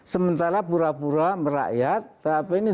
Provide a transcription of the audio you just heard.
sementara pura pura merakyat tapi ini